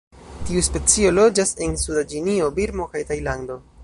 Tiu specio loĝas en suda Ĉinio, Birmo kaj Tajlando.